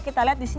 kita lihat di sini